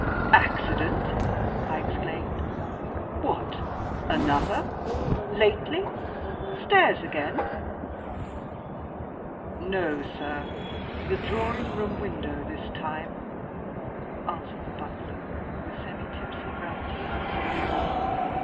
"Accident!" I exclaimed. "What, another? Lately? Stairs again?" "No, sir; the drawing room window this time," answered the butler, with semi tipsy gravity.